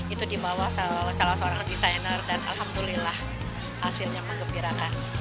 itu dibawa salah seorang desainer dan alhamdulillah hasilnya mengembirakan